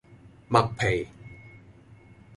麥皮